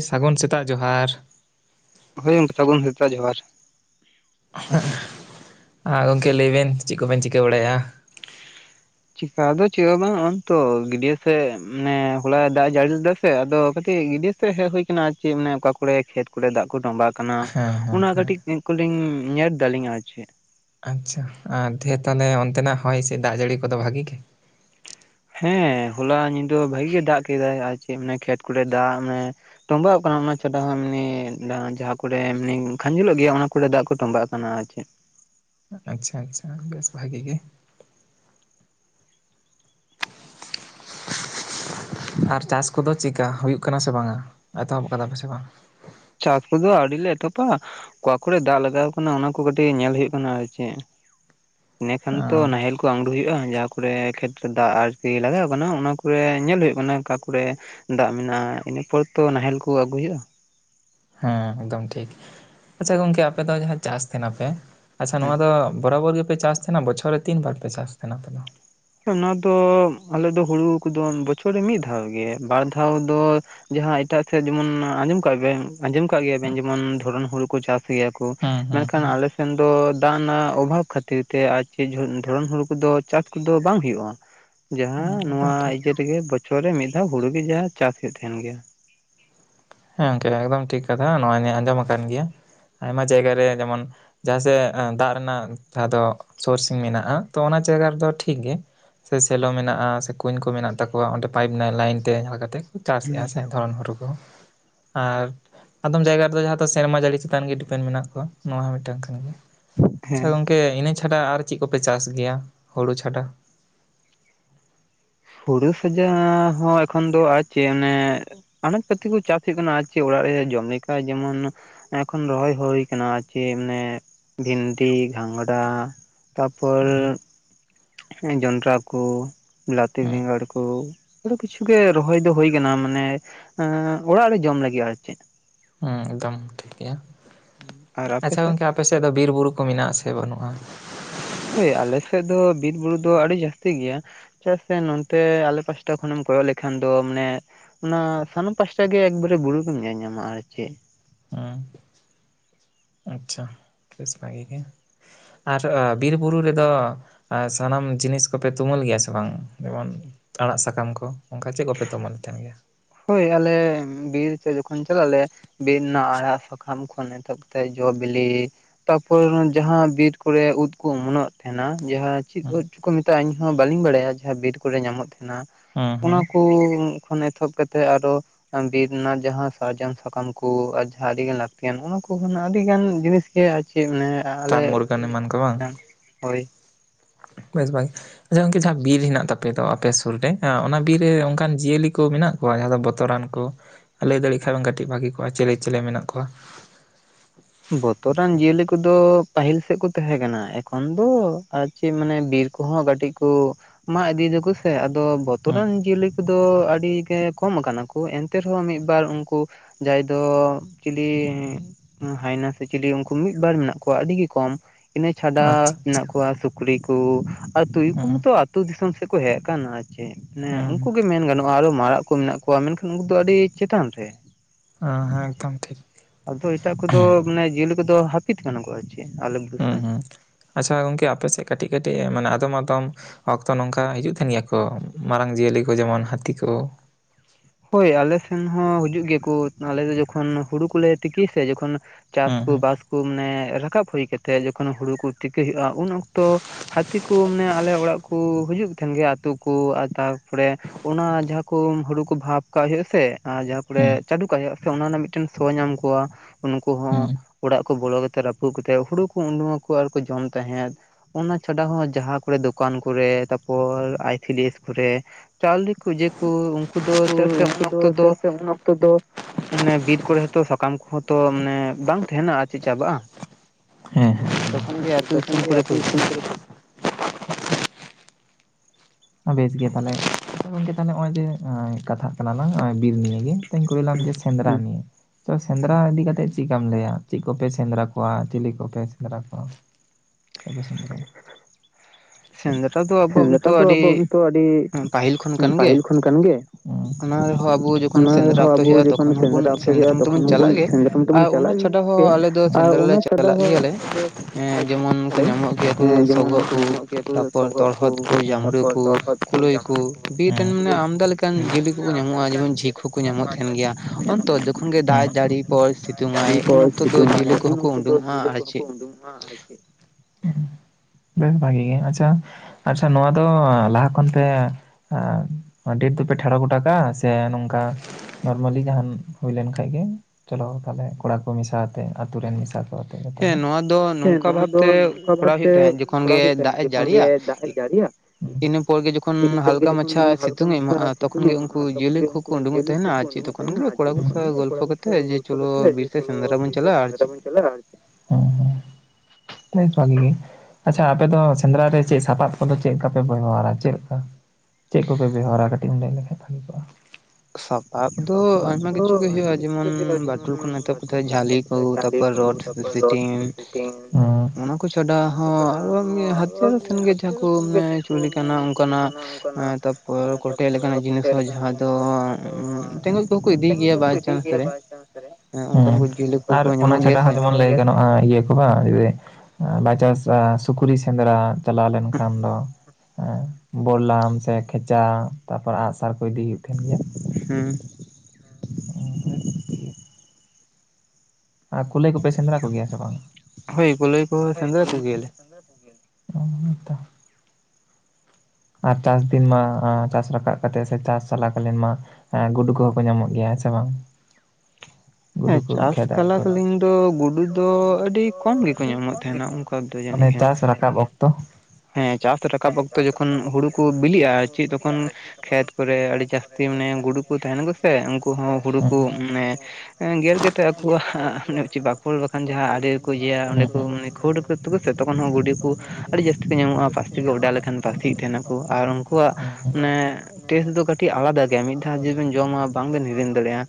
ᱥᱟᱹᱜᱩᱱ ᱥᱮᱛᱟᱜ ᱡᱚᱦᱟᱨ ᱦᱳᱭ ᱜᱚᱢᱠᱮ ᱥᱟᱹᱜᱩᱱ ᱥᱮᱛᱟᱜ ᱡᱚᱦᱟᱨ ᱜᱚᱢᱠᱮ ᱞᱟᱹᱭ ᱵᱮᱱ ᱪᱮᱫ ᱠᱚᱵᱮᱱ ᱪᱤᱠᱟᱹ ᱵᱟᱲᱟᱭᱮᱜᱼᱟ᱾ ᱪᱮᱠᱟ ᱫᱚ ᱪᱮᱫ ᱦᱚᱸ ᱵᱟᱝ ᱱᱚᱜᱼᱚᱭ ᱛᱚ ᱜᱟᱹᱰᱭᱟᱹ ᱥᱮᱫ ᱢᱟᱱᱮ ᱦᱚᱞᱟ ᱫᱟᱜ ᱮ ᱡᱟᱹᱲᱤ ᱞᱮᱫᱟ ᱥᱮ ᱟᱫᱚ ᱠᱟᱹᱴᱤᱡ ᱜᱟᱹᱰ ᱛᱮ ᱦᱮᱡ ᱦᱳᱭ ᱟᱠᱟᱱ ᱪᱮ ᱢᱟᱱᱮ ᱚᱠᱟ ᱠᱚᱨᱮ ᱠᱷᱮᱛ ᱠᱚᱨᱮ ᱫᱟᱜ ᱠᱚ ᱛᱚᱢᱵᱟ ᱠᱟᱱᱟ ᱚᱱᱟ ᱠᱟᱹᱴᱤᱡ ᱠᱚᱞᱤᱧ ᱧᱮᱞ ᱫᱟᱞᱤᱧ ᱟᱨ ᱪᱮᱫ ᱟᱪᱪᱷᱟ ᱟᱨ ᱛᱟᱦᱞᱮ ᱚᱱᱛᱮᱱᱟᱜ ᱦᱚᱭ ᱡᱤᱣᱤᱫ ᱫᱟᱜ ᱡᱟᱹᱲᱤ ᱠᱚᱫᱚ ᱵᱷᱟᱜᱤ ᱜᱮ ᱦᱮᱸ ᱦᱚᱞᱟ ᱧᱤᱫᱟᱹ ᱵᱷᱟᱜᱤ ᱜᱮ ᱫᱟᱜ ᱠᱮᱫᱟᱭ ᱟᱨ ᱪᱮ ᱠᱷᱮᱛ ᱠᱚᱨᱮ ᱫᱟᱜᱢᱮ ᱛᱚᱢᱵᱟ ᱠᱟᱱᱟ ᱚᱱᱟ ᱪᱷᱟᱰᱟ ᱦᱚᱸ ᱮᱢᱱᱤ ᱡᱟᱦᱟᱸ ᱠᱚᱨᱮ ᱮᱢᱱᱤ ᱠᱷᱟᱸᱡᱩᱞᱟᱹᱜ ᱜᱮᱭᱟ ᱚᱱᱟ ᱠᱚᱨᱮ ᱫᱟᱜ ᱠᱚ ᱛᱚᱢᱵᱟ ᱠᱟᱱᱟ ᱟᱨ ᱪᱮᱫ ᱟᱪᱪᱷᱟ ᱟᱪᱪᱷᱟ ᱵᱮᱥ ᱵᱷᱟᱜᱮ ᱜᱮ᱾ ᱟᱨ ᱪᱟᱥ ᱠᱚᱫᱚ ᱪᱮᱫᱮᱠᱟ ᱦᱩᱭᱩᱜ ᱠᱟᱱᱟ ᱥᱮ ᱵᱟᱝᱟ ᱮᱛᱚᱦᱚᱵ ᱠᱟᱫᱟ ᱯᱮ ᱥᱮ ᱵᱟᱝ? ᱪᱟᱥ ᱠᱚᱫᱚ ᱟᱣᱨᱤ ᱞᱮ ᱮᱛᱚᱦᱚᱵ ᱟ ᱚᱠᱟ ᱠᱚᱨᱮ ᱫᱟᱜ ᱞᱟᱜᱟᱣ ᱠᱟᱱᱟ ᱚᱱᱟ ᱠᱚ ᱠᱟᱹᱴᱤᱡ ᱧᱮᱞ ᱦᱩᱭᱩᱜ ᱠᱟᱱᱟ ᱟᱨ ᱪᱮ ᱤᱸᱱᱟᱹ ᱠᱷᱟᱱ ᱛᱚ ᱚᱸ ᱱᱟᱦᱮᱞ ᱠᱚ ᱟᱝᱲᱳ ᱦᱩᱭᱩᱜᱼᱟ ᱡᱟᱦᱟᱸ ᱛᱟᱯᱚᱨᱮ ᱠᱷᱮᱛᱨᱮ ᱫᱟᱜ ᱟᱨᱠᱤ ᱞᱟᱜᱟᱣ ᱠᱟᱱᱟ ᱚᱱᱟ ᱠᱚᱜᱮ ᱧᱮᱞ ᱦᱳᱭᱳᱜ ᱠᱟᱱᱟ ᱚᱠᱟ ᱠᱚᱨᱮ ᱫᱟᱜ ᱢᱮᱱᱟᱜᱼᱟ ᱤᱱᱟᱹ ᱯᱚᱨ ᱛᱚ ᱱᱟᱦᱮᱞ ᱠᱚ ᱟᱹᱜᱩ ᱦᱩᱭᱩᱜᱼᱟ᱾ ᱦᱮᱸ ᱮᱠᱫᱚᱢ ᱴᱷᱤᱠ ᱟᱪᱪᱷᱟ ᱜᱚᱝᱠᱮ ᱟᱯᱮ ᱫᱚ ᱡᱟᱦᱟᱸ ᱪᱟᱥ ᱛᱟᱸᱦᱮᱱ ᱟᱯᱮ ᱟᱪᱪᱷᱟ ᱱᱚᱣᱟ ᱦᱮᱸ ᱫᱚ ᱵᱚᱨᱟᱵᱚᱨ ᱜᱮᱯᱮ ᱪᱟᱥ ᱛᱟᱦᱮᱱᱟ ᱵᱚᱪᱷᱚᱨ ᱨᱮ ᱛᱤᱱ ᱵᱟᱨ ᱯᱮ ᱪᱟᱥ ᱛᱟᱦᱮᱱᱟ ᱟᱯᱮ ᱫᱚ? ᱚᱱᱟ ᱫᱚ ᱟᱞᱮ ᱫᱚ ᱦᱩᱲᱩ ᱠᱚᱫᱚ ᱵᱚᱪᱷᱚᱨ ᱨᱮ ᱢᱤᱫ ᱫᱷᱟᱣ ᱜᱮ ᱵᱟᱨ ᱫᱷᱟᱣ ᱫᱚ ᱡᱟᱦᱟᱸ ᱮᱴᱟᱜ ᱥᱮᱫ ᱡᱮᱢᱚᱱ ᱟᱸᱡᱚᱢ ᱠᱟᱜ ᱵᱮᱱ ᱟᱸᱡᱚᱢ ᱠᱟᱜ ᱜᱮᱭᱟ ᱵᱮᱱ ᱦᱩᱸ ᱡᱮᱢᱚᱱ ᱫᱷᱚᱨᱚᱱ ᱦᱩᱲᱩ ᱠᱚ ᱪᱟᱥ ᱜᱮᱭᱟ ᱠᱚ ᱦᱩᱸ ᱦᱩᱸ ᱢᱮᱱᱠᱷᱟᱱ ᱦᱩᱸ ᱟᱞᱮ ᱮᱱ ᱫᱚ ᱫᱟᱜ ᱨᱮᱱᱟᱜ ᱚᱵᱷᱟᱵᱽ ᱠᱷᱟᱹᱛᱤᱨ ᱛᱮ ᱟᱨ ᱪᱮᱫ ᱫᱷᱚᱨᱚᱱ ᱦᱩᱲᱩ ᱠᱚᱫᱚ ᱪᱟᱥ ᱫᱚ ᱵᱟᱝ ᱦᱩᱭᱩᱜᱼᱟ ᱡᱟᱦᱟᱸ ᱮᱠᱫᱚᱢ ᱱᱚᱣᱟ ᱴᱷᱤᱠ ᱤᱭᱟᱹ ᱜᱮ ᱵᱚᱪᱷᱚᱨ ᱨᱮ ᱢᱤᱫᱷᱟᱣ ᱦᱩᱲᱩ ᱜᱮ ᱡᱟᱦᱟᱸ ᱪᱟᱥ ᱦᱳᱭᱳᱜ ᱛᱟᱦᱮᱱ ᱜᱮᱭᱟ᱾ ᱦᱮᱸ ᱜᱚᱝᱠᱮ ᱮᱠᱫᱚᱢ ᱴᱷᱤᱠ ᱠᱟᱛᱷᱟ ᱱᱚ ᱟᱸᱡᱚᱢ ᱟᱠᱟᱱ ᱜᱮᱭᱟ ᱟᱭᱢᱟ ᱡᱟᱭᱜᱟ ᱨᱮ ᱡᱮᱢᱚᱱ ᱡᱟᱦᱟᱸ ᱥᱮ ᱫᱟᱜ ᱨᱮᱱᱟᱜ ᱡᱟᱦᱟᱸ ᱫᱚ ᱥᱳᱨᱥᱤᱝ ᱢᱮᱱᱟᱜᱼᱟ ᱛᱚ ᱚᱱᱟ ᱡᱟᱭᱜᱟ ᱨᱮᱫᱚ ᱴᱷᱤᱠ ᱜᱮ᱾ ᱥᱮ ᱥᱮᱞᱚ ᱢᱮᱱᱟᱜᱼᱟ ᱥᱮ ᱠᱩᱧ ᱠᱚ ᱢᱮᱱᱟᱜ ᱛᱟᱠᱚᱣᱟ ᱚᱸᱰᱮ ᱯᱟᱭᱤᱯ ᱞᱟᱭᱤᱱ ᱛᱮ ᱧᱮᱞ ᱠᱟᱛᱮᱜ ᱦᱮᱸ ᱪᱟᱥᱮᱜᱼᱟ ᱥᱮ ᱫᱷᱚᱨᱚᱱ ᱦᱩᱲᱩ ᱠᱚ ᱟᱨ ᱟᱫᱚᱢ ᱡᱟᱭᱜᱟ ᱨᱮᱫᱚ ᱡᱟᱦᱟᱸ ᱫᱚ ᱥᱮᱨᱢᱟ ᱡᱟᱹᱲᱤ ᱪᱮᱛᱟᱱ ᱜᱮ ᱰᱤᱯᱮᱱᱰ ᱢᱮᱱᱟᱜ ᱠᱚᱣᱟ ᱱᱚᱣᱟ ᱦᱚᱸ ᱢᱤᱫᱴᱟᱱ ᱠᱟᱱ ᱜᱮᱭᱟ᱾ ᱦᱮᱸ ᱟᱪᱪᱷᱟ ᱜᱚᱝᱠᱮ ᱤᱱᱟᱹ ᱪᱷᱟᱰᱟ ᱟᱨ ᱪᱮᱫ ᱠᱚᱯᱮ ᱪᱟᱥ ᱜᱮᱭᱟ ᱦᱳᱲᱳ ᱪᱷᱟᱰᱟ ᱦᱩᱲᱩ ᱥᱟᱡᱟ ᱦᱚᱸ ᱮᱠᱷᱚᱱ ᱫᱚ ᱟᱨ ᱪᱮᱫ ᱚᱱᱮ ᱟᱱᱟᱡ ᱯᱟᱹᱛᱤ ᱠᱚ ᱪᱟᱥ ᱦᱩᱭᱩᱜ ᱠᱟᱱᱟ ᱟᱨ ᱪᱮ ᱚᱲᱟᱜ ᱨᱮ ᱡᱚᱢ ᱞᱮᱠᱟ ᱡᱮᱢᱚᱱ ᱮᱠᱷᱚᱱ ᱨᱚᱦᱚᱭ ᱦᱳᱭ ᱠᱟᱱᱟ ᱟᱨ ᱪᱮ ᱢᱟᱱᱮ ᱵᱷᱤᱱᱰᱤ ᱜᱷᱟᱝᱜᱽᱨᱟ ᱛᱟᱯᱚᱨ ᱦᱩᱸ ᱡᱚᱸᱱᱰᱨᱟ ᱠᱩ ᱵᱤᱞᱟᱛᱤ ᱦᱩᱸ ᱵᱮᱸᱜᱟᱲ ᱠᱩ ᱟᱰᱤ ᱠᱤᱪᱷᱩ ᱜᱮ ᱨᱚᱦᱚᱭ ᱫᱚ ᱦᱳᱭ ᱠᱟᱱᱟ ᱢᱟᱱᱮ ᱚᱲᱟᱜ ᱨᱮ ᱡᱚᱢ ᱞᱟᱹᱜᱤᱫ ᱟᱨ ᱪᱮᱫ ᱦᱩᱸ ᱮᱠᱫᱚᱢ ᱴᱷᱤᱠ ᱜᱮᱭᱟ ᱟᱪᱪᱷᱟ ᱜᱚᱝᱠᱮ ᱟᱯᱮ ᱥᱮᱫ ᱫᱚ ᱵᱤᱨ ᱵᱩᱨᱩ ᱠᱚ ᱢᱮᱱᱟᱜᱼᱟ ᱥᱮ ᱵᱟᱹᱱᱩᱜᱼᱟ ᱦᱳᱭ ᱟᱞᱮᱥᱮᱫ ᱫᱚ ᱵᱤᱨ ᱵᱩᱨᱩ ᱫᱚ ᱟᱹᱰᱤ ᱡᱟᱹᱥᱛᱤ ᱜᱮᱭᱟ ᱪᱮᱫᱟᱜ ᱥᱮ ᱱᱚᱛᱮ ᱟᱞᱮ ᱯᱟᱥᱴᱟ ᱠᱷᱚᱱᱮᱢ ᱠᱚᱭᱚᱜ ᱞᱮᱠᱷᱟᱱ ᱫᱚ ᱢᱟᱱᱮ ᱚᱱᱟ ᱥᱟᱱᱟᱢ ᱯᱟᱥᱴᱟ ᱜᱮ ᱮᱠᱵᱟᱨᱮ ᱵᱩᱨᱩ ᱜᱮᱢ ᱧᱮᱞ ᱧᱟᱢᱟ ᱟᱨ ᱪᱮ ᱦᱩᱸ ᱟᱪᱪᱷᱟ ᱵᱮᱥ ᱵᱷᱟᱜᱮ ᱜᱮ ᱟᱨ ᱵᱤᱨ ᱵᱩᱨᱩ ᱨᱮᱫᱚ ᱟᱨ ᱥᱟᱱᱟᱢ ᱡᱤᱱᱤᱥ ᱠᱚᱯᱮ ᱛᱩᱢᱟᱹᱞ ᱜᱮᱭᱟ ᱥᱮ ᱵᱟᱝ ᱡᱮᱢᱚᱱ ᱟᱲᱟᱜ ᱥᱟᱠᱟᱢ ᱠᱚ ᱚᱱᱠᱟ ᱪᱮᱫ ᱠᱚᱯᱮ ᱛᱩᱢᱟᱹᱞᱮᱫ ᱛᱟᱦᱮᱱ ᱜᱮᱭᱟ ᱦᱳᱭ ᱟᱞᱮ ᱵᱤᱨ ᱛᱮ ᱡᱚᱠᱷᱚᱱ ᱪᱟᱞᱟᱜ ᱟᱞᱮ ᱵᱤᱨ ᱨᱮᱱᱟᱜ ᱟᱲᱟᱜ ᱥᱟᱠᱟᱢ ᱠᱷᱚᱱ ᱮᱛᱚᱦᱚᱵ ᱠᱟᱛᱮ ᱡᱚ ᱵᱮᱞᱮ ᱛᱟᱯᱚᱨ ᱡᱟᱦᱟᱸ ᱵᱤᱨ ᱠᱚᱨᱮ ᱩᱫ ᱠᱚ ᱚᱢᱚᱱᱚᱜ ᱛᱟᱦᱮᱱᱟ ᱡᱟᱦᱟᱸ ᱪᱮᱫ ᱦᱩᱸ ᱩᱫ ᱪᱚᱠᱚ ᱢᱮᱛᱟᱜᱼᱟ ᱟᱞᱤᱧ ᱦᱚ ᱵᱟᱹᱞᱤᱧ ᱵᱟᱲᱟᱭᱟ ᱡᱟᱦᱟᱸ ᱵᱤᱨ ᱠᱚᱨᱮ ᱧᱟᱢᱚᱜ ᱛᱟᱦᱮᱱᱟ ᱦᱩᱸ ᱚᱱᱟ ᱦᱩᱸ ᱠᱚ ᱠᱷᱚᱱ ᱮᱛᱚᱦᱚᱵ ᱠᱟᱛᱮ ᱟᱨᱚ ᱵᱤᱨ ᱨᱮᱱᱟᱜ ᱡᱟᱦᱟᱸ ᱥᱟᱨᱡᱚᱢ ᱥᱟᱠᱟᱢ ᱠᱚ ᱟᱨ ᱡᱟᱦᱟᱸ ᱟᱹᱰᱤᱜᱟᱱ ᱞᱟᱹᱠᱛᱤᱭᱟᱱ ᱚᱱᱟ ᱠᱚ ᱠᱷᱚᱱᱟᱜ ᱟᱹᱰᱤᱜᱟᱱ ᱡᱤᱱᱤᱥ ᱪᱮ ᱟᱨ ᱪᱮᱫ ᱢᱟᱱᱮ ᱟᱞᱮ ᱨᱟᱱ ᱢᱩᱨᱜᱟᱹᱱ ᱮᱢᱟᱱ ᱠᱚ ᱵᱟᱝ ᱦᱳᱭ ᱵᱮᱥ ᱵᱟᱭ ᱟᱪᱪᱷᱟ ᱜᱚᱝᱠᱮ ᱡᱟᱦᱟᱸ ᱵᱤᱨ ᱦᱮᱱᱟᱜ ᱛᱟᱯᱮ ᱫᱚ ᱟᱯᱮ ᱥᱩᱨ ᱨᱮ ᱦᱮᱸ ᱚᱱᱟ ᱵᱤᱨ ᱨᱮ ᱚᱱᱠᱟᱱ ᱡᱤᱭᱟᱹᱞᱤ ᱠᱚ ᱢᱮᱱᱟᱜ ᱠᱚᱣᱟ ᱡᱟᱦᱟᱸ ᱫᱚ ᱵᱚᱛᱚᱨᱟᱱ ᱠᱚ ᱞᱟᱹᱭ ᱫᱟᱲᱮᱭᱟᱜ ᱠᱷᱟᱱ ᱵᱮᱱ ᱠᱟᱹᱴᱤᱡ ᱵᱷᱟᱹᱜᱤ ᱠᱚᱜᱼᱟ ᱪᱤᱞᱮ ᱪᱮᱞᱮ ᱢᱮᱱᱟᱜ ᱠᱚᱣᱟ ᱵᱚᱛᱚᱨᱟᱱ ᱡᱤᱭᱟᱹᱞᱤ ᱠᱚᱫᱚ ᱯᱟᱹᱦᱤᱞ ᱥᱮᱫ ᱠᱚ ᱛᱟᱦᱮᱸ ᱠᱟᱱᱟ ᱮᱠᱷᱚᱱ ᱫᱚ ᱟᱡ ᱪᱮᱫ ᱢᱟᱱᱮ ᱵᱤᱨ ᱠᱚᱦᱚᱸ ᱠᱟᱹᱴᱤᱡ ᱠᱚ ᱢᱟᱜ ᱤᱫᱤᱭ ᱫᱟᱠᱩ ᱥᱮ ᱟᱫᱚ ᱦᱩᱸ ᱵᱚᱛᱚᱨᱟᱱ ᱡᱤᱭᱟᱹᱞᱤ ᱩᱱᱠᱩ ᱫᱚ ᱟᱹᱰᱤ ᱜᱮ ᱠᱚᱢ ᱟᱠᱟᱱᱟ ᱠᱚ ᱮᱱᱛᱮ ᱨᱮᱦᱚᱸ ᱢᱤᱫ ᱵᱟᱨ ᱩᱱᱠᱩ ᱡᱟᱦᱟᱸᱭ ᱫᱚ ᱪᱤᱞᱤ ᱦᱟᱭᱱᱟ ᱥᱮ ᱪᱤᱞᱤ ᱩᱱᱠᱩ ᱢᱤᱫᱵᱟᱨ ᱢᱮᱱᱟᱜ ᱠᱚᱣᱟ ᱟᱹᱰᱤ ᱜᱮ ᱠᱚᱢ ᱤᱱᱟᱹ ᱪᱷᱟᱰᱟ ᱟᱪᱪᱷᱟ ᱟᱪᱪᱷᱟ ᱢᱮᱱᱟᱜ ᱠᱚᱣᱟ ᱥᱩᱠ ᱼᱼ ᱥᱤᱠᱨᱤ ᱠᱚ ᱟᱨ ᱛᱩᱭᱩ ᱠᱚ ᱦᱩᱸ ᱢᱟ ᱦᱩᱸ ᱛᱚ ᱟᱛᱳ ᱫᱤᱥᱚᱢ ᱥᱮᱫ ᱠᱚ ᱦᱮᱡ ᱟᱠᱟᱱᱟ ᱪᱮ ᱢᱟᱱᱮ ᱦᱩᱸ ᱩᱝᱠᱩ ᱜᱮ ᱢᱮᱱ ᱜᱟᱱᱚᱜᱼᱟ ᱟᱨ ᱢᱟᱨᱟᱜ ᱠᱚ ᱢᱮᱱᱟᱜ ᱠᱚᱣᱟ ᱢᱮᱱᱠᱷᱟᱱ ᱩᱱᱠᱩ ᱫᱚ ᱟᱹᱰᱤ ᱪᱮᱛᱟᱱ ᱨᱮ ᱦᱮᱸ ᱦᱮᱸ ᱮᱠᱫᱚᱢ ᱴᱷᱤᱠ ᱟᱫᱚ ᱮᱴᱟᱜ ᱠᱚᱫᱚ ᱢᱟᱱᱮ ᱡᱤᱭᱟᱹᱞᱤ ᱠᱚᱫᱚ ᱦᱟᱹᱯᱤᱫ ᱠᱟᱱᱟ ᱠᱚ ᱟᱨ ᱪᱮ ᱟᱞᱮ ᱵᱩᱨᱩ ᱦᱩᱸ ᱥᱮᱱ ᱫᱚ ᱦᱩᱸ ᱟᱪᱪᱷᱟ ᱜᱚᱝᱠᱮ ᱟᱯᱮ ᱥᱮᱫ ᱠᱟᱹᱴᱤᱡ ᱠᱟᱹᱴᱤᱡ ᱢᱟᱱᱮ ᱟᱫᱚᱢ ᱟᱫᱚᱢ ᱚᱠᱛᱚ ᱱᱚᱝᱠᱟ ᱦᱤᱡᱩᱜ ᱛᱟᱦᱮᱱ ᱜᱮᱭᱟ ᱠᱚ ᱢᱟᱨᱟᱝ ᱡᱤᱭᱟᱹᱞᱤ ᱠᱚ ᱡᱮᱢᱚᱱ ᱦᱟᱹᱛᱤ ᱠᱚ ᱦᱳᱭ ᱟᱞᱮ ᱥᱮᱱ ᱦᱚᱸ ᱦᱤᱡᱩᱜ ᱜᱮᱭᱟᱠᱚ ᱟᱞᱮ ᱫᱚ ᱡᱚᱠᱷᱚᱱ ᱦᱩᱲᱩ ᱠᱚᱞᱮ ᱛᱤᱠᱤᱭᱟᱥᱮ ᱡᱚᱠᱷᱚᱱ ᱪᱟᱥ ᱦᱩᱸ ᱠᱚ ᱦᱩᱸ ᱵᱟᱥ ᱠᱚ ᱢᱟᱱᱮ ᱨᱟᱠᱟᱵ ᱦᱩᱭ ᱠᱟᱛᱮᱜ ᱡᱚᱠᱷᱚᱱ ᱦᱩᱲᱩ ᱠᱚ ᱛᱤᱠᱤ ᱦᱩᱭᱩᱜᱼᱟ ᱩᱱ ᱚᱠᱛᱚ ᱦᱟᱹᱛᱤ ᱠᱚ ᱢᱟᱱᱮ ᱟᱞᱮ ᱚᱲᱟᱜ ᱠᱩ ᱦᱤᱡᱩᱜ ᱛᱟᱦᱮᱱ ᱜᱮᱭᱟ ᱟᱹᱛᱩ ᱠᱚ ᱛᱟᱨᱯᱚᱨᱮ ᱚᱱᱟ ᱡᱟᱦᱟᱸᱠᱩ ᱦᱩᱲᱩ ᱵᱷᱟᱵᱽ ᱠᱟᱜ ᱦᱩᱭᱩᱜᱼᱟ ᱥᱮ ᱟᱨ ᱡᱟᱦᱟᱸ ᱦᱩᱸ ᱠᱚᱨᱮ ᱪᱟᱰᱩ ᱠᱟᱜ ᱦᱩᱭᱜᱼᱟ ᱥᱮ ᱚᱱᱟ ᱨᱮᱱᱟᱜ ᱢᱤᱫᱴᱮᱱ ᱥᱚ ᱧᱟᱢ ᱠᱚᱣᱟ ᱩᱱᱠᱩ ᱦᱚᱸ ᱦᱩᱸ ᱚᱲᱟᱜ ᱠᱚ ᱵᱚᱞᱚ ᱠᱟᱛᱮᱜ ᱨᱟᱹᱯᱩᱫᱠᱟᱛᱮᱫ ᱦᱩᱲᱩ ᱠᱚ ᱩᱰᱩᱝ ᱟᱠᱚ ᱟᱨᱠᱚ ᱡᱚᱢ ᱛᱟᱦᱮᱸᱫ ᱚᱱᱟ ᱪᱷᱟᱰᱟ ᱦᱚᱸ ᱡᱟᱦᱟᱸ ᱠᱚᱨᱮ ᱫᱚᱠᱟᱱ ᱠᱚᱨᱮ ᱛᱟᱯᱚᱨ ᱟᱭᱥᱤ ᱰᱮᱥ ᱠᱚᱨᱮ ᱪᱟᱣᱞᱮ ᱠᱚ ᱤᱭᱟᱹ ᱠᱚ ᱩᱱᱠᱩ ᱫᱚ ᱪᱮᱫᱟᱜ ᱥᱮ ᱩᱱ ᱚᱠᱛᱚ ᱫᱚ ᱚᱱᱮ ᱵᱤᱨ ᱠᱚᱨᱮ ᱦᱚᱸᱛᱚ ᱥᱟᱠᱟᱢ ᱠᱚᱦᱚᱸ ᱛᱚ ᱢᱟᱱᱮ ᱵᱟᱝ ᱛᱟᱦᱮᱱᱟ ᱟᱨ ᱪᱮᱫ ᱪᱟᱵᱟᱜᱼᱟ ᱦᱮᱸ ᱟᱨ ᱪᱮᱫ ᱛᱚᱠᱷᱚᱱ ᱜᱮ ᱟᱹᱛᱩ ᱫᱤᱥᱚᱢ ᱠᱚᱨᱮ ᱠᱚ ᱦᱤᱡᱩᱜᱼᱟ ᱵᱮᱥ ᱜᱤ ᱛᱟᱦᱚᱞᱮ ᱟᱫᱚ ᱜᱚᱝᱠᱮ ᱛᱟᱦᱚᱞᱮ ᱱᱚᱜᱼᱚᱭ ᱡᱮ ᱠᱟᱛᱷᱟᱜ ᱠᱟᱱᱟᱞᱟᱝ ᱱᱚᱜᱚᱭ ᱵᱤᱨ ᱱᱤᱭᱮ ᱜᱮ ᱠᱩᱞᱟᱢ ᱡᱮ ᱥᱮᱸᱫᱽᱨᱟ ᱱᱤᱭᱮ ᱛᱚ ᱥᱮᱸᱫᱽᱨᱟ ᱤᱫᱤ ᱠᱟᱛᱮᱫ ᱪᱮᱠᱟᱢ ᱞᱟᱹᱭᱟ ᱪᱮᱫ ᱠᱚᱯᱮ ᱥᱮᱸᱫᱽᱨᱟ ᱠᱚᱣᱟ ᱪᱤᱞᱤ ᱠᱚᱯᱮ ᱥᱮᱸᱫᱽᱨᱟ ᱠᱚᱣᱟ ᱛᱚᱵᱮ ᱥᱮᱸᱫᱽᱨᱟ ᱜᱮ ᱥᱮᱸᱫᱽᱨᱟ ᱫᱚ ᱟᱵᱚᱣᱟᱜ ᱥᱮᱸᱫᱽᱨᱟ ᱢᱚᱛᱚ ᱫᱚ ᱟᱹᱰᱤ ᱟᱵᱚᱣᱟᱜ ᱜᱤᱛᱚ ᱟᱹᱰᱤ ᱯᱟᱹᱦᱤᱞ ᱠᱷᱚᱱ ᱠᱟᱱ ᱜᱮ ᱯᱟᱹᱦᱤᱞ ᱠᱷᱚᱱ ᱠᱟᱱ ᱜᱮ ᱚᱱᱟ ᱨᱮᱦᱚᱸ ᱟᱵᱚ ᱡᱚᱠᱷᱚᱱ ᱥᱮᱸᱫᱽᱨᱟ ᱚᱱᱟᱦᱚᱸ ᱚᱠᱛᱚ ᱟᱵᱚ ᱦᱩᱭᱩᱜᱼᱟ ᱡᱚᱠᱷᱚᱱ ᱛᱚᱠᱷᱚᱱ ᱦᱚᱸᱵᱚᱱ ᱥᱮᱸᱫᱽᱨᱟ ᱛᱮ ᱦᱩᱭᱩᱜᱼᱟ ᱢᱚᱛᱚ ᱛᱚᱠᱷᱚᱱ ᱵᱚᱱ ᱦᱚᱸᱵᱚᱱ ᱪᱟᱞᱟᱜ ᱜᱮ ᱥᱮᱸᱫᱽᱨᱟ ᱚᱱᱛᱮ ᱵᱚᱱ ᱟᱨ ᱚᱱᱟ ᱪᱟᱞᱟᱜ ᱪᱷᱟᱰᱟ ᱦᱚᱸ ᱟᱞᱮ ᱫᱚ [inaudible] ᱟᱨ ᱥᱮᱸᱫᱽᱨᱟ ᱞᱮ ᱚᱱᱟ ᱪᱷᱟᱰᱟ ᱪᱟᱞᱟᱜ ᱦᱚᱸ ᱜᱮᱭᱟᱞᱮ ᱮᱸ ᱡᱮᱢᱚᱱ ᱠᱚ [inaudible] ᱧᱟᱢᱚᱜ ᱜᱮᱭᱟ ᱦᱮᱸ ᱠᱚ ᱡᱮᱢᱚᱱ ᱥᱚᱜᱚᱜ ᱱᱚᱛᱮ ᱧᱟᱢᱚᱜ ᱜᱮᱭᱟ ᱠᱚ ᱛᱟᱯᱚᱨ ᱥᱚᱜᱚᱜ ᱠᱩ ᱛᱚᱨᱦᱚᱫ ᱠᱚ ᱡᱟᱢᱲᱩ ᱛᱟᱯᱚᱨ ᱠᱚ ᱛᱦᱚᱫ ᱠᱚ ᱠᱩᱞᱟᱹᱭ ᱡᱟᱢᱲᱩ ᱠᱚ ᱵᱤᱨ ᱨᱮᱱ ᱢᱟᱱᱮ ᱠᱩᱞᱟᱹᱭ ᱠᱚ ᱟᱢᱫᱟ ᱞᱮᱠᱟᱱ ᱡᱤᱭᱟᱹᱞᱤ ᱢᱟᱱᱮ ᱠᱚᱠᱚ ᱟᱢᱫᱟ ᱧᱟᱢᱚᱜᱼᱟ ᱞᱮᱠᱟᱱ ᱡᱮᱢᱚᱱ ᱡᱷᱤᱠ ᱦᱚᱸᱠᱚ ᱧᱟᱢᱚᱜ ᱧᱟᱢᱚᱜᱼᱟ ᱛᱟᱦᱮᱱ ᱡᱮᱢᱚᱱ ᱜᱮᱭᱟ [unintelligible] ᱠᱚ ᱧᱟᱢᱚᱜ ᱚᱱᱛᱚ ᱛᱟᱦᱮᱱ ᱜᱮᱭᱟ ᱡᱚᱠᱷᱚᱱ ᱜᱮ [unintelligible] ᱫᱟᱜ ᱡᱟᱹᱲᱤ ᱯᱚᱨ ᱫᱟᱜ ᱥᱤᱛᱩᱝ ᱡᱟᱹᱲᱤ ᱟᱭ ᱠᱚ ᱩᱱ ᱚᱠᱛᱚ ᱫᱚ ᱥᱤᱛᱩᱝᱼᱟᱭ ᱡᱤᱭᱟᱹᱞᱤ ᱠᱚᱦᱚᱸ ᱩᱱ ᱠᱚ ᱚᱠᱛᱚ ᱫᱚ ᱡᱮᱞᱮ ᱩᱰᱩᱝᱚᱜᱼᱟ ᱟᱨ ᱠᱚᱦᱚᱸ ᱠᱚ ᱪᱮᱫ ᱩᱰᱩᱝᱚᱜᱼᱟ ᱟᱨ ᱪᱮᱫ ᱵᱮᱱ ᱵᱷᱟᱜᱮ ᱜᱮ ᱟᱪᱪᱷᱟ ᱟᱪᱪᱷᱟ ᱱᱚᱣᱟ ᱫᱚ ᱞᱟᱦᱟ ᱠᱷᱚᱱ ᱛᱮ ᱟᱸ ᱰᱮᱴ ᱫᱚᱯᱮ ᱴᱷᱟᱲᱚ ᱜᱚᱴᱟ ᱠᱟᱜ-ᱟ? ᱥᱮ ᱱᱚᱝᱠᱟ ᱱᱚᱨᱢᱟᱞᱤ ᱡᱟᱸᱦᱟᱱ ᱦᱩᱭᱞᱱ ᱠᱷᱟᱡ ᱜᱮ ᱪᱚᱞᱚ ᱛᱟᱞᱦᱮ ᱠᱚᱲᱟ ᱠᱚ ᱢᱤᱫ ᱥᱟᱣ ᱛᱮ ᱟᱛᱳᱨᱮᱱ ᱢᱤᱥᱟ ᱠᱚ ᱛᱮ ᱡᱷᱚᱛᱚ ᱜᱮ, ᱦᱮᱸ ᱱᱚᱣᱟ ᱫᱚ ᱮ ᱱᱚᱝᱠᱟ ᱱᱚᱣᱟ ᱫᱚ ᱵᱷᱟᱵᱛᱮ ᱱᱚᱝᱠᱟ ᱠᱚᱨᱟᱣ ᱦᱩᱭᱩᱜ ᱵᱷᱟᱵᱛᱮ ᱛᱟᱦᱮᱸᱫ ᱡᱚᱠᱷᱚᱱ ᱠᱚᱨᱟᱣ ᱦᱩᱭᱩᱜ ᱜᱮ ᱫᱟᱜ ᱛᱟᱸᱦᱮᱱ ᱮ ᱡᱚᱠᱷᱚᱱ ᱡᱟᱹᱲᱤᱭᱟ ᱜᱮ ᱫᱟᱜᱽ-ᱮ ᱡᱟᱹᱰᱤᱭᱟᱹ ᱤᱱᱟᱹ ᱯᱚᱨ ᱜᱮ ᱤᱱ ᱡᱚᱠᱷᱚᱱ ᱚᱠᱛᱚ ᱜᱮ ᱦᱟᱞᱠᱟ ᱢᱟᱪᱷᱟ ᱡᱚᱠᱷᱚᱱ ᱦᱟᱞᱠᱟ ᱥᱤᱛᱩᱝ ᱮ ᱢᱟᱪᱷᱟ ᱮᱢᱟᱜᱼᱟ ᱛᱚᱠᱷᱚᱱ ᱥᱤᱛᱩᱝ ᱮ ᱜᱮ ᱮᱢᱟᱜᱼᱟ ᱩᱱᱠᱩ ᱛᱚᱱ ᱡᱤᱭᱟᱹᱞᱤ ᱜᱮ ᱠᱚᱠᱚ ᱡᱤᱭᱟ. ᱩᱰᱩᱠᱚᱜ ᱞᱤ ᱛᱟᱦᱮᱱᱟ ᱟᱨ ᱠᱩᱠᱩ ᱪᱮᱫ ᱩᱰᱳᱝᱚᱜ ᱛᱚᱠᱷᱚᱱ ᱛᱟᱦᱮᱱᱟ ᱜᱮ ᱟᱨ ᱪᱮᱫ ᱠᱚᱲᱟ [unintelligible] ᱠᱚ ᱠᱟᱱ ᱥᱟᱶ ᱜᱮ ᱠᱚᱲᱟ ᱜᱚᱞᱯᱷᱚ ᱠᱚ ᱠᱟᱛᱮ ᱥᱟᱶ ᱡᱮ ᱜᱚᱞᱯᱚ ᱠᱟᱛᱮ ᱪᱚᱞᱚ ᱡᱮ ᱵᱤᱨ ᱥᱮᱫ ᱥᱮᱸᱫᱽᱨᱟ ᱪᱚᱞᱚ ᱵᱚᱱ ᱵᱤᱨ ᱛᱮ ᱪᱟᱞᱟᱜᱼᱟ ᱟᱨ ᱪᱮᱫ ᱥᱮᱫᱽᱨᱟ ᱵᱚᱱ ᱪᱟᱞᱟᱜᱼᱟ ᱟᱨ ᱦᱩᱸ ᱦᱩᱸ ᱵᱮᱥ ᱵᱦᱟᱜᱮ ᱜᱮ ᱟᱪᱪᱷᱟ ᱟᱯᱮ ᱫᱚ ᱥᱮᱸᱫᱽᱨᱟ ᱨᱮ ᱪᱮ ᱥᱟᱯᱟᱵ ᱟᱠᱚᱫᱚ ᱫᱚ ᱪᱮᱫ ᱠᱟ ᱞᱮ ᱯᱮ ᱵᱮᱣᱦᱟᱨᱟ ᱪᱮᱫ ᱞᱮᱠᱟ ᱪᱮᱫ ᱠᱚᱯᱮ ᱵᱮᱣᱦᱟᱨᱟ ᱠᱟᱹᱴᱤᱡ ᱮᱢ ᱞᱟᱹᱭ ᱞᱮᱠᱷᱟ ᱵᱷᱟᱹᱜᱤ ᱠᱚᱜᱼᱟ ᱥᱟᱯᱟᱵ ᱫᱚ ᱥᱟᱯᱟᱵ ᱟᱭᱢᱟ ᱠᱤᱪᱷᱩ ᱜᱮ ᱫᱚ ᱟᱭᱢᱟ ᱦᱩᱭᱩᱜᱼᱟ ᱠᱤᱪᱷᱩ ᱜᱮ ᱧᱮᱞ- ᱟᱭ ᱡᱮᱢᱚᱱ ᱵᱟᱴᱩᱞ ᱠᱷᱚᱱ ᱮᱛᱚᱦᱚᱵ ᱵᱟᱴᱩᱞ ᱠᱟᱛᱮ ᱠᱷᱚᱱ ᱮᱛᱚᱦᱚᱵ ᱡᱷᱟᱹᱞᱤ ᱠᱟᱛ ᱼᱼ ᱛᱮ ᱠᱚ ᱡᱟᱞᱮ ᱛᱟᱯᱚᱨ ᱠᱚ ᱨᱚᱰ ᱛᱟᱯᱚᱨ ᱨᱰ ᱥᱮ ᱥᱤᱴᱤᱝ ᱥᱤᱴᱤᱝ ᱚᱱᱟ ᱠᱚ ᱪᱷᱟᱰᱟ ᱚᱱᱟ ᱠᱚ ᱦᱚᱸ ᱪᱷᱟᱰᱟ ᱟᱨᱚ ᱦᱚᱸ ᱦᱟᱹᱛᱭᱟᱹᱨ ᱱᱤᱭᱟᱹ ᱥᱮᱱ ᱜᱮ ᱡᱟᱦᱟᱸ ᱦᱟᱛᱮᱞ ᱠᱚ ᱠᱷᱟᱱ ᱜᱮ ᱢᱟᱱᱮ ᱡᱷᱚᱛᱚ ᱪᱩᱞᱤ ᱠᱟᱱᱟ ᱚᱱᱠᱟᱱᱟᱜ ᱛᱟᱯᱚᱨ ᱠᱚᱴᱮᱡ ᱞᱮᱠᱟᱱᱟᱜ ᱡᱤᱱᱤᱥ ᱦᱚᱸ ᱡᱟᱦᱟᱸ ᱡᱤᱯᱩ ᱦᱮᱸ ᱫᱚ ᱥᱮ ᱵᱟ ᱡᱟᱦᱟᱸ ᱫᱚ ᱴᱮᱸᱜᱚᱡ ᱠᱚᱦᱚᱸ ᱠᱚ ᱤᱫᱤᱭ ᱥᱟᱸᱜᱤᱧ ᱜᱮᱭᱟ ᱫᱚᱠᱚ ᱵᱟᱭ ᱤᱫᱤᱭ ᱪᱟᱱᱥ ᱜᱮᱭᱟ ᱨᱮ ᱵᱟᱭᱪᱟᱸᱥ ᱨᱮ, ᱦᱮᱸ ᱚᱱᱠᱟᱱ ᱦᱩᱸ ᱠᱚ ᱡᱤᱭᱟᱹᱞᱤ ᱠᱚᱠᱚ ᱟᱨ ᱚᱱᱟ ᱧᱟᱢᱚᱜ ᱜᱮᱭᱟ ᱪᱷᱟᱰᱟ ᱦᱚᱸ ᱥᱮ ᱡᱮᱢᱚᱱ ᱞᱟᱹᱭ ᱜᱟᱱᱚᱜᱼᱟ ᱤᱭᱟᱹ ᱵᱟᱝ ᱡᱩᱫᱤ ᱵᱟᱭᱪᱟᱱᱥ ᱥᱩᱠᱨᱤ ᱥᱮᱸᱫᱽᱨᱟ ᱪᱟᱞᱟᱣ ᱞᱮᱱ ᱠᱷᱟᱱ ᱫᱚ ᱦᱮᱸ ᱵᱚᱞᱞᱟᱢ ᱥᱮ ᱠᱷᱮᱪᱟ ᱛᱟᱨᱯᱚᱨ ᱟᱸᱜᱥᱟᱨ ᱠᱚ ᱤᱫᱤ ᱦᱩᱭᱩᱜ ᱛᱟᱦᱮᱸᱱ ᱜᱮᱭᱟ ᱦᱩᱸ ᱦᱚᱸ ᱵᱮᱥ ᱜᱤ ᱟᱸ ᱠᱩᱞᱟᱹᱭ ᱠᱩᱯᱮ ᱥᱮᱸᱫᱽᱨᱟ ᱠᱚᱜᱮᱭᱟ ᱥᱮ ᱵᱟᱝ, ᱦᱳᱭ ᱠᱩᱞᱟᱹᱭ ᱠᱚ ᱦᱳᱭ ᱥᱮᱸᱫᱽᱨᱟ ᱠᱟᱹᱭ ᱠᱚᱦᱚ ᱠᱚᱜᱮᱭᱟᱞᱮ ᱥᱮᱸᱨᱟ ᱠᱚᱜᱮᱭᱟ ᱠᱚ ᱚ ᱦᱮᱸᱛᱚ ᱟᱨ ᱪᱟᱥ ᱫᱤᱱ ᱢᱟ ᱟᱸ ᱪᱟᱥ ᱨᱟᱠᱟᱜ ᱠᱟᱛᱮ ᱥᱮ ᱪᱟᱥ ᱪᱟᱞᱟ ᱠᱟᱞᱤᱱ ᱢᱟ ᱮᱸ ᱜᱩᱰᱩ ᱠᱚᱦᱚᱸ ᱠᱚ ᱧᱟᱢᱚᱜ ᱜᱮᱭᱟᱸ ᱦᱮᱸ ᱥᱮ ᱵᱟᱝ ᱮᱸ ᱜᱩᱰᱩ ᱠᱚ ᱪᱟᱥ ᱠᱷᱮᱛ ᱟᱲᱮ ᱠᱟᱞᱟ ᱠᱚᱨᱮ ᱟᱹᱞᱤᱧ ᱫᱚ ᱜᱩᱰᱩ ᱫᱚ ᱟᱹᱰᱤ ᱠᱚᱢ ᱜᱮᱠᱚ ᱧᱟᱢᱚᱜ ᱛᱦᱮᱱᱟ ᱚᱝᱠᱟ ᱫᱚ ᱡᱟᱹᱱᱤᱡ ᱢᱟᱱᱮ ᱠᱷᱟᱱ ᱪᱟᱥ ᱨᱟᱠᱟᱵ ᱚᱠᱛᱚ ᱦᱮᱸ ᱪᱟᱥ ᱨᱟᱠᱟᱵ ᱚᱠᱛᱚ ᱡᱚᱠᱷᱚᱱ ᱦᱩᱲᱩ ᱠᱚ ᱵᱤᱞᱤᱜᱼᱟ ᱪᱤᱜ ᱛᱚᱠᱷᱚᱱ ᱠᱷᱮᱛ ᱠᱚᱨᱮ ᱟᱹᱰᱤ ᱡᱟᱹᱥᱛᱤ ᱢᱟᱱᱮ ᱜᱩᱲᱩ ᱠᱚ ᱛᱟᱦᱮᱱᱟᱠᱩ ᱥᱮ ᱩᱝᱠᱩ ᱦᱚᱸ ᱦᱩᱲᱩ ᱠᱚ ᱢᱟᱱᱮ ᱜᱮᱨ ᱠᱟᱛᱮᱜ ᱟᱠᱚᱣᱟᱜ ᱢᱚᱱᱮ ᱪᱤ ᱵᱟᱠᱷᱳᱞ ᱵᱟᱠᱷᱟᱱ ᱡᱟᱸᱦ ᱟᱲᱮ ᱨᱮ ᱠᱚ ᱤᱭᱟᱹᱭᱟ ᱚᱸᱰᱮ ᱠᱚ ᱢᱟᱱᱮ ᱠᱷᱳᱲᱟᱠᱩ ᱛᱚᱵᱮ ᱥᱮᱛᱚ ᱠᱷᱚᱱ ᱦᱚᱸ ᱜᱩᱰᱤ ᱠᱚ ᱟᱹᱰᱤ ᱡᱟᱹᱥᱛᱤ ᱠᱚ ᱧᱟᱢᱚᱜᱼᱟ ᱯᱟᱹᱥᱛᱤ ᱠᱚ ᱚᱰᱟᱣ ᱞᱮᱠᱷᱟᱱ ᱯᱟᱹᱥᱤᱜ ᱛᱮᱦᱮᱱᱟ ᱠᱚ ᱟᱨ ᱩᱱᱠᱩ ᱠᱚᱣᱟᱜ ᱢᱟᱱᱮ ᱴᱮᱥᱴ ᱫᱚ ᱠᱟᱹᱴᱤᱡ ᱟᱞᱟᱫᱟ ᱜᱮᱭᱟ ᱢᱤᱫ ᱫᱷᱟᱣ ᱡᱩᱫᱤ ᱵᱤᱱ ᱡᱚᱢᱟ ᱵᱟᱝᱵᱮᱱ ᱦᱤᱲᱤᱧ ᱫᱟᱲᱤᱜᱼᱟ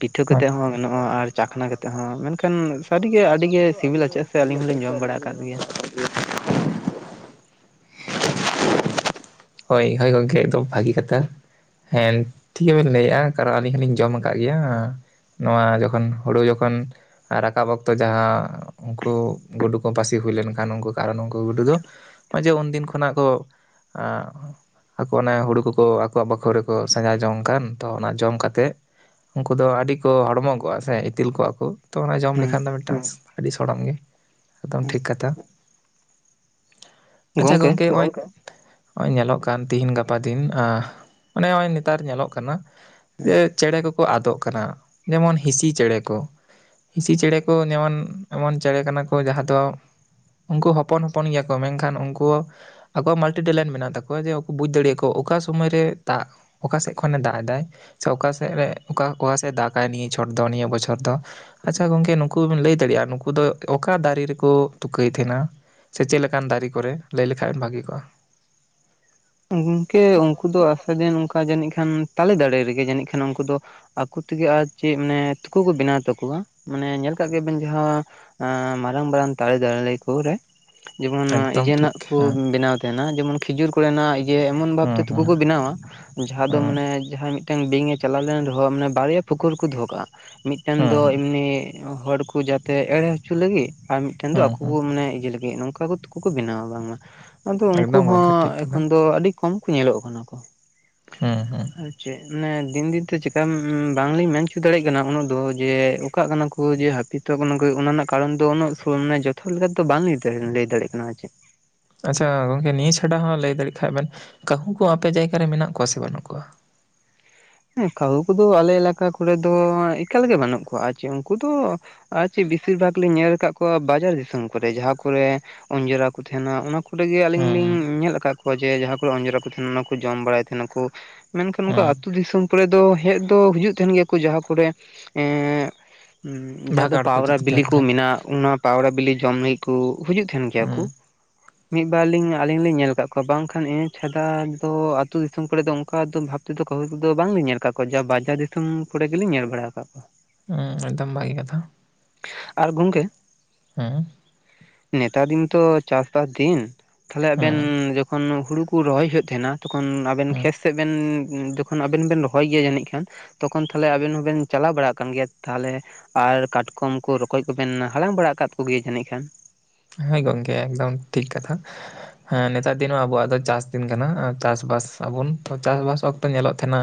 ᱯᱤᱴᱷᱟᱹ ᱠᱟᱛᱮ ᱦᱚᱸ ᱜᱚᱜᱼᱟ ᱟᱨ ᱪᱟᱠᱷᱱᱟ ᱠᱟᱛᱮ ᱦᱚᱸ ᱢᱮᱱᱠᱷᱟᱱ ᱥᱟᱹᱨᱤᱜᱮ ᱟᱹᱰᱤ ᱜᱮ ᱥᱤᱵᱤᱞᱟ ᱪᱮᱫ ᱥᱮ ᱟᱹᱞᱤᱧ ᱦᱚᱞᱤᱧ ᱡᱚᱢ ᱵᱟᱲᱟ ᱠᱟᱫ ᱜᱮᱭᱟ [inaudible] ᱡ [unintelligible] ᱦᱳᱭ ᱦᱳᱭ ᱜᱚᱝᱠᱮ ᱮᱠᱫᱚᱢ ᱵᱷᱟᱹᱜᱤ ᱠᱟᱛᱷᱟ ᱦᱮᱸ ᱴᱷᱤᱠ ᱜᱮᱵᱮᱱ ᱞᱟᱹᱭᱮᱜᱼᱟ, ᱠᱟᱨᱚᱱ ᱟᱹᱞᱤᱧ ᱦᱚᱞᱤᱧ ᱡᱚᱢ ᱠᱟᱜ ᱜᱮᱭᱟ ᱱᱚᱣᱟ ᱡᱚᱠᱷᱚᱱ ᱦᱳᱲᱳ ᱡᱚᱠᱷᱚᱱ ᱨᱟᱠᱟᱵ ᱚᱠᱛᱚ ᱡᱟᱸᱦᱟ ᱩᱱᱠᱩ ᱜᱩᱰᱩ ᱠᱚ ᱯᱟᱹᱥᱤ ᱦᱩᱭ ᱞᱮᱱᱠᱷᱟᱱ ᱱᱠᱝᱠᱩ ᱛᱚ ᱟᱨᱚ ᱩᱱᱠᱩ ᱜᱩᱰᱩ ᱫᱚ ᱚᱸᱭᱡᱮ ᱩᱱᱫᱤᱱ ᱠᱷᱚᱱᱟᱜ ᱠᱚ ᱟᱸ ᱟᱠᱚ ᱚᱱᱮ ᱦᱳᱲᱩ ᱠᱚᱠᱚ ᱟᱠᱚᱣᱟᱜ ᱵᱟᱠᱷᱳ ᱨᱮᱠᱚ ᱥᱟᱡᱟ ᱡᱚᱝ ᱠᱟᱱ ᱛᱚ ᱚᱱᱟ ᱡᱚᱢ ᱠᱟᱛᱮ ᱩᱝᱠᱩ ᱫᱚ ᱟᱹᱰᱤ ᱠᱚ ᱦᱚᱲᱢᱚ ᱠᱚᱜ-ᱟ ᱥᱮ ᱤᱛᱤᱞ ᱠᱚ ᱚ ᱛᱚ ᱚᱱᱟ ᱡᱚᱢ ᱦᱮᱸ ᱞᱮᱠᱷᱟᱱ ᱫᱚ ᱢᱤᱫᱴᱟᱱ ᱟᱹᱰᱤ ᱥᱚᱲᱚᱢ ᱜᱮ, ᱮᱠᱫᱚᱢ ᱦᱮᱸ ᱴᱷᱤᱠ ᱠᱟᱛᱷᱟ ᱟᱪᱪᱷᱟ ᱜᱚᱝᱠᱮ ᱜᱚᱝᱠ ᱦᱮᱸ ᱦᱟᱸᱭ ᱦᱚᱸᱜᱼᱚᱭ ᱧᱮᱞᱚᱜ ᱠᱟᱱ ᱛᱤᱦᱤᱧ ᱜᱟᱯᱟ ᱫᱤᱱ ᱢᱟᱱᱮ ᱱᱚᱜᱼᱚᱸᱚᱭ ᱱᱮᱛᱟᱨ ᱧᱮᱞᱚᱜ ᱠᱟᱱᱟ ᱪᱮᱬᱮ ᱠᱚᱠᱚ ᱟᱫᱚᱜ ᱠᱟᱱᱟ ᱡᱮᱢᱚᱱ ᱦᱤᱸᱤᱥᱤ ᱪᱮᱬᱮ ᱠᱚ ᱦᱤᱥᱤ ᱪᱮᱬᱮ ᱠᱚ ᱡᱮᱢᱚᱱ ᱮᱢᱚᱱ ᱪᱮᱬᱮ ᱠᱟᱱᱟ ᱠᱚ ᱡᱟᱦᱟᱸ ᱫᱚ ᱩᱝᱠᱩ ᱦᱚᱯᱚᱱ ᱦᱚᱯᱚᱱ ᱜᱮᱭᱟ ᱠᱚ ᱢᱮᱝᱠᱷᱟᱱ ᱩᱝᱠᱩ ᱟᱠᱚᱣᱟᱜ ᱢᱟᱞᱴᱤ ᱴᱮᱞᱮᱱᱴ ᱢᱮᱱᱟᱜ ᱛᱟᱠᱚᱣᱟ ᱡᱮ ᱟᱠᱩ ᱵᱩᱡᱽ ᱫᱟᱲᱤᱜ-ᱟ ᱠᱚ ᱚᱠᱟ ᱥᱩᱢᱟᱹᱭ ᱨᱮ ᱫᱟᱜᱽ ᱚᱠᱟ ᱥᱮᱫ ᱠᱷᱚᱱᱮ ᱫᱟᱜ ᱫᱟᱭ ᱾ ᱥᱮ ᱚᱠᱟ ᱥᱮᱫ ᱨᱮ ᱚᱠᱟ ᱚᱠᱟ ᱥᱮᱫ ᱮ ᱫᱟᱜᱟᱭ ᱱᱤᱭᱟᱹ ᱪᱷᱚᱴ ᱫᱚ ᱱᱤᱭᱟᱹ ᱵᱚᱪᱷᱚᱨ ᱫᱚ ᱟᱪᱪᱷᱟ ᱜᱚᱝᱠᱮ ᱱᱩᱠᱩ ᱵᱤᱱ ᱞᱟᱹᱭ ᱫᱟᱲᱮᱭᱟᱜᱼᱟ ᱱᱩᱠᱩ ᱫᱚ ᱚᱠᱟ ᱫᱟᱨᱮ ᱨᱮᱠᱚ ᱛᱩᱠᱟᱹᱭ ᱛᱟᱦᱮᱱᱟ? ᱥᱮ ᱪᱮᱫ ᱞᱮᱠᱟᱱ ᱫᱟᱨᱮ ᱠᱚᱨᱮ ᱞᱟᱹᱭ ᱞᱮᱠᱷᱟᱡ ᱮᱢ ᱵᱷᱟᱹᱜᱤ ᱠᱚᱜᱼᱟ ᱾ ᱜᱚᱝᱠᱮ ᱩᱱᱠᱩ ᱫᱚ ᱟᱥᱟ ᱡᱤᱱ ᱚᱱᱠᱟ ᱡᱟᱹᱱᱤᱡ ᱠᱷᱟᱱ ᱛᱟᱞᱮ ᱫᱟᱲᱮ ᱨᱮᱜᱮ ᱡᱟᱹᱱᱤᱡ ᱠᱷᱟᱱ ᱩᱱᱠᱩ ᱫᱚ ᱾ ᱟᱠᱚ ᱛᱮᱜᱮ ᱟᱨ ᱪᱮᱫ ᱢᱟᱱᱮ ᱛᱤᱠ ᱠᱚ ᱵᱮᱱᱟᱣ ᱛᱟᱠᱚᱣᱟ ᱾ ᱢᱟᱱᱮ ᱧᱮᱞ ᱠᱟᱜ ᱜᱮᱭᱟᱵᱮᱱ ᱡᱟᱦᱟᱸᱻ ᱢᱟᱨᱟᱝ ᱢᱟᱨᱟᱝ ᱛᱟᱞᱮ ᱫᱟᱲᱤ ᱠᱚ ᱨᱮ ᱡᱮᱢᱚ ᱤᱭᱟᱹ ᱮᱠᱫᱚᱢ ᱴᱷᱤᱠ ᱨᱮᱱᱟᱜ ᱠᱚ ᱦᱮᱸ ᱵᱮᱱᱟᱣ ᱛᱟᱦᱮᱱᱟ ᱡᱮᱢᱚᱱ ᱠᱷᱤᱡᱩᱨ ᱠᱚᱨᱮᱱᱟᱜ ᱡᱮ ᱮᱢᱚᱱ ᱦᱩᱸ ᱵᱷᱟᱵᱛᱮ ᱛᱩᱠᱟᱹ ᱦᱩᱸ ᱠᱚ ᱵᱮᱱᱟᱣᱟ ᱡᱟᱦᱟᱸ ᱫᱚ ᱦᱩᱸ ᱢᱟᱱᱮ ᱡᱟᱦᱟᱸᱭ ᱢᱤᱫᱴᱟᱝ ᱵᱤᱝ ᱮ ᱪᱟᱞᱟᱣ ᱞᱮᱱ ᱨᱮᱦᱚᱸ ᱢᱟᱱᱮ ᱵᱟᱨᱭᱟ ᱯᱷᱩᱠᱩᱨ ᱠᱚ ᱫᱚᱦᱚ ᱠᱟᱜᱼᱟ, ᱢᱤᱫᱴᱮᱱ ᱦᱩᱸ ᱫᱚ ᱮᱢᱱᱤ ᱦᱚᱲᱠᱩ ᱡᱟᱛᱮ ᱮᱲᱮ ᱦᱚᱪᱚ ᱞᱟᱹᱜᱤᱫ ᱟᱨ ᱢᱤᱫᱴᱮᱱ ᱫᱚ ᱦᱩᱸ ᱦᱩᱸ ᱟᱠᱚ ᱢᱟᱱᱮ ᱤᱭᱟᱹ ᱞᱟᱹᱜᱤᱫ ᱾ ᱱᱚᱝᱠᱟ ᱠᱚ ᱛᱩᱠᱟᱹ ᱵᱮᱱᱟᱣᱟ ᱵᱟᱝᱢᱟ ᱾ ᱟᱫᱚ ᱩᱱᱠᱩ ᱮᱠᱫᱚᱢ ᱜᱚᱝᱠᱮ ᱴᱷᱤᱠ ᱦᱚᱸᱻ ᱠᱟᱛᱷᱟ ᱟᱹᱰᱤ ᱠᱚᱢ ᱠᱚ ᱧᱮᱞᱚᱜ ᱠᱟᱱᱟ ᱠᱚ ᱦᱩᱸ ᱦᱩᱸ ᱾ ᱪᱮᱫ ᱢᱮ ᱫᱤᱱ ᱫᱤᱱᱛᱮ ᱪᱮᱠᱟ ᱵᱟᱝᱞᱤᱧ ᱢᱮᱱ ᱚᱪᱚ ᱫᱟᱲᱮᱭᱟᱜ ᱠᱟᱱᱟ ᱩᱱᱟᱹᱜ ᱫᱚ ᱡᱮ ᱚᱠᱟᱜ ᱠᱟᱱᱟ ᱠᱚ ᱡᱮ ᱦᱟᱹᱯᱤᱫ ᱛᱚ ᱚᱱᱟ ᱨᱮᱱᱟᱜ ᱠᱟᱨᱚᱱ ᱫᱚ ᱩᱱᱟᱹᱜ ᱡᱚᱛᱚ ᱞᱮᱠᱟ ᱫᱚ ᱵᱟᱝ ᱞᱟᱹᱭ ᱫᱟᱲᱮᱭᱟᱜ ᱠᱟᱱᱟ ᱟᱨ ᱪᱮᱫ ᱟᱪᱪᱷᱟ ᱜᱚᱝᱠᱮ ᱱᱤᱭᱟᱹ ᱪᱷᱟᱰᱟ ᱦᱚᱸ ᱞᱟᱹᱭ ᱫᱟᱲᱮᱜ ᱠᱷᱟᱱᱡ ᱵᱮᱱ, ᱠᱟᱹᱦᱩ ᱠᱚ ᱟᱯᱮ ᱡᱟᱭᱜᱟ ᱨᱮ ᱢᱮᱱᱟᱜ ᱠᱚᱣᱟ ᱥᱮ ᱵᱟᱹᱱᱩᱜ ᱠᱚᱣᱟ? ᱦᱮᱸ ᱠᱟᱹᱦᱩ ᱠᱚᱫᱚ ᱟᱞᱮ ᱮᱞᱟᱠᱟ ᱠᱚᱨᱮ ᱫᱚ ᱮᱠᱟᱞᱜᱮ ᱵᱟᱹᱱᱩᱜ ᱠᱚᱣᱟ ᱾ ᱡᱮ ᱩᱱᱠᱩ ᱫᱚ ᱟᱨ ᱪᱮᱫ ᱵᱮᱥᱤᱨ ᱵᱷᱟᱜᱽ ᱞᱤᱧ ᱧᱮᱞ ᱟᱠᱟᱫ ᱠᱚᱣᱟ ᱵᱟᱡᱟᱨ ᱫᱤᱥᱚᱢ ᱠᱚᱨᱮ ᱾ ᱡᱟᱦᱟᱸ ᱠᱚᱨᱮ ᱚᱸᱡᱚᱲᱨᱟ ᱠᱚ ᱛᱟᱦᱮᱱᱟ ᱚᱱᱟ ᱠᱚ ᱠᱚ ᱨᱮᱜᱮ ᱟᱹᱞᱤᱧ ᱞᱤᱧ ᱦᱩᱸ ᱧᱮᱞ ᱟᱠᱟᱫ ᱠᱚᱣᱟ ᱾ ᱚᱮ ᱡᱟᱦᱟᱸ ᱠᱚᱨᱮ ᱚᱸᱡᱨᱟ ᱠᱚ ᱛᱟᱦᱮᱸᱱᱟ ᱚᱱᱟᱠᱩ ᱡᱚᱢ ᱵᱟᱲᱟᱭ ᱛᱟᱦᱮᱱᱟ ᱠᱚ ᱾ ᱢᱮᱱᱠᱷᱟᱱ ᱱᱚᱱᱠᱟ ᱦᱩᱸ ᱟᱹᱛᱩ ᱫᱤᱥᱚᱢ ᱠᱚᱨᱮ ᱫᱚ ᱦᱮᱡ ᱫᱚ ᱦᱤᱡᱩᱜ ᱛᱟᱦᱮᱱ ᱜᱮᱭᱟ ᱠᱚ ᱡᱟᱦᱟᱸ ᱠᱚᱨᱮ ᱡᱟᱦᱟᱸ ᱫᱚ ᱵᱷᱟᱜᱟᱲ ᱠᱚ ᱯᱟᱣᱨᱟ ᱡᱩᱫᱤ ᱵᱤᱞᱤ ᱛᱟᱦᱮᱱ ᱠᱚ ᱠᱷᱟᱡ ᱢᱮᱱᱟᱜᱼᱟ, ᱚᱱᱟ ᱯᱟᱣᱨᱟ ᱵᱤᱞᱤ ᱡᱚᱢ ᱞᱟᱹᱜᱤᱫ ᱠᱚ ᱦᱤᱡᱩᱜ ᱛᱟᱦᱮᱱ ᱜᱮᱭᱟ ᱠᱚ ᱦᱩᱸ ᱢᱤᱫᱵᱟᱨ ᱞᱤᱧ ᱟᱹᱞᱤᱧ ᱞᱤᱧ ᱧᱮᱞ ᱟᱠᱟᱫ ᱠᱚᱣᱟ ᱵᱟᱝᱠᱷᱟᱱ ᱤᱱᱟᱹ ᱪᱷᱟᱰᱟ ᱫᱚ ᱟᱛᱳ ᱫᱤᱥᱚᱢ ᱠᱚᱨᱮ ᱫᱚ ᱚᱱᱠᱟ ᱵᱷᱟᱵ ᱛᱮᱫᱚ ᱠᱟᱹᱦᱩ ᱠᱚ ᱫᱚ ᱵᱟᱝᱞᱤᱧ ᱧᱮᱞ ᱟᱠᱟᱫ ᱠᱚᱣᱟ ᱾ ᱡᱟ ᱵᱟᱡᱟᱨ ᱫᱤᱥᱚᱢ ᱠᱚᱨᱮ ᱜᱮᱞᱤᱧ ᱧᱮᱞ ᱵᱟᱲᱟ ᱟᱠᱟᱫ ᱠᱚᱣᱟ ᱦᱩᱸ ᱮᱠᱫᱚᱢ ᱵᱷᱟᱜᱤ ᱠᱟᱛᱷᱟ ᱟᱨ ᱜᱚᱝᱠᱮ ᱦᱩᱸ ᱱᱮᱛᱟᱨ ᱫᱤᱱ ᱛᱚ ᱪᱟᱥᱵᱟᱥ ᱫᱤᱱ ᱛᱟᱞᱦᱮ ᱟᱵᱮᱱ ᱦᱩᱸ ᱡᱚᱠᱷᱚᱱ ᱦᱩᱲᱩ ᱠᱚ ᱨᱚᱦᱚᱭ ᱦᱩᱭᱩᱜ ᱛᱟᱦᱮᱸᱱᱟ ᱛᱚᱠᱷᱚᱱ ᱟᱵᱮᱱ ᱦᱩᱸ ᱠᱷᱮᱛ ᱥᱮᱫ ᱵᱮᱱ ᱛᱚᱠᱷᱚᱱ ᱟᱵᱮᱱ ᱵᱮᱱ ᱨᱚᱦᱚᱭ ᱜᱮᱭᱟ ᱡᱟᱹᱱᱤᱡ ᱠᱷᱟᱱ ᱾ ᱛᱚᱠᱷᱚᱱ ᱛᱟᱦᱮᱞᱮ ᱟᱵᱮᱱ ᱦᱚᱸᱵᱮᱱ ᱪᱟᱞᱟᱣ ᱵᱟᱲᱟᱜ ᱠᱟᱱ ᱜᱮᱭᱟ ᱛᱟᱦᱚᱞᱮ ᱟᱨ ᱠᱟᱴᱠᱚᱢ ᱠᱚ ᱨᱚᱠᱚᱡ ᱠᱚᱵᱮᱱ ᱦᱟᱞᱟᱝ ᱵᱟᱲᱟ ᱟᱠᱟᱫ ᱠᱚᱜᱮᱭᱟ ᱡᱟᱹᱱᱤᱡ ᱠᱷᱟᱱ ᱾ ᱦᱳᱭ ᱜᱚᱝᱠᱮ ᱮᱠᱫᱚᱢ ᱴᱷᱤᱠ ᱠᱟᱛᱷᱟ ᱾ ᱦᱮᱸ ᱱᱮᱛᱟᱨ ᱫᱤᱱ ᱦᱚᱸ ᱟᱵᱚᱣᱟᱜ ᱫᱚ ᱪᱟᱥᱫᱤᱱ ᱠᱟᱱᱟ ᱪᱟᱥᱵᱟᱥ ᱟᱵᱚᱱ ᱾ ᱪᱟᱥᱵᱟᱥ ᱚᱠᱛᱚ ᱧᱮᱞᱚᱜ ᱛᱟᱦᱮᱱᱟ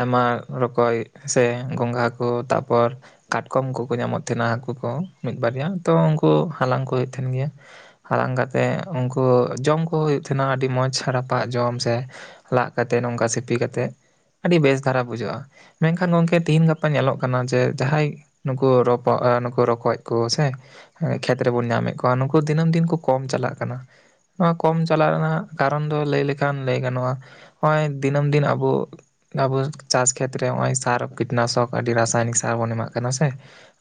ᱟᱭᱢᱟ ᱨᱚᱠᱚᱡ ᱥᱮ ᱜᱚᱝᱜᱷᱟ ᱠᱚ ᱛᱟᱯᱚᱨ ᱠᱟᱴᱠᱚᱢ ᱠᱚᱠᱚ ᱧᱟᱢᱚᱜ ᱛᱟᱦᱮᱱᱟ ᱦᱟᱹᱠᱩ ᱠᱚ ᱢᱤᱫ ᱵᱟᱨᱭᱟ ᱛᱚ ᱩᱱᱠᱩ ᱦᱟᱞᱟᱝ ᱠᱚ ᱦᱩᱭᱩᱜ ᱛᱟᱦᱮᱱ ᱜᱮᱭᱟ ᱾ ᱦᱟᱞᱟᱝ ᱠᱟᱛᱮᱜ ᱩᱱᱠᱩ ᱡᱚᱢ ᱠᱚ ᱦᱩᱭᱩᱜ ᱛᱟᱦᱮᱱᱟ ᱟᱹᱰᱤ ᱢᱚᱸᱡᱽ ᱨᱟᱯᱟᱜ ᱡᱚᱢ ᱥᱮ ᱞᱟᱜ ᱠᱟᱛᱮᱫ ᱱᱚᱝᱠᱟ ᱥᱤᱯᱤ ᱠᱟ ᱠᱟᱛᱮᱫ ᱾ ᱟᱹᱰᱤ ᱵᱮᱥ ᱫᱷᱟᱨᱟ ᱵᱩᱡᱷᱟᱹᱜ-ᱟ ᱾ ᱢᱮᱱᱠᱷᱟᱱ ᱜᱚᱝᱠᱮ ᱛᱤᱦᱮᱧ ᱜᱟᱯᱟ ᱧᱮᱞᱚᱜ ᱠᱟᱱᱟ ᱡᱮ ᱡᱟᱦᱟᱸᱭ ᱱᱩᱠᱩ ᱨᱚᱠᱚᱡ ᱠᱚ ᱥᱮ ᱠᱷᱮᱛ ᱨᱮᱵᱚᱱ ᱧᱟᱢᱮᱫ ᱠᱚᱣᱟ ᱱᱩᱠᱩ ᱫᱤᱱᱟᱹᱢ ᱫᱤᱱ ᱠᱚ ᱠᱚᱢ ᱪᱟᱞᱟᱜ ᱠᱟᱱᱟ ᱱᱚᱣᱟ ᱠᱚᱢ ᱪᱟᱞᱟᱜ ᱨᱮᱱᱟᱜ ᱠᱟᱨᱚᱱ ᱫᱚ ᱞᱟᱹᱭ ᱞᱮᱠᱷᱟᱱ ᱞᱟᱹᱭ ᱜᱟᱱᱚᱜᱼᱟ ᱱᱚᱜᱼᱚᱭ ᱫᱤᱱᱟᱹᱢ ᱫᱤᱱ ᱟᱵᱚ ᱟᱵᱚ ᱪᱟᱥ ᱠᱷᱮᱛᱨᱮ ᱱᱚᱜᱼᱚᱭ ᱥᱟᱨ ᱠᱤᱴᱱᱟᱥᱚᱠ ᱟᱹᱰᱤ ᱨᱟᱥᱟᱭᱱᱤᱠ ᱥᱟᱨ ᱵᱚᱱ ᱮᱢᱟᱜ ᱠᱟᱱᱟ ᱥᱮ